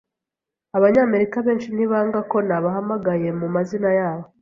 Abanyamerika benshi ntibanga ko nabahamagaye mu mazina yabo.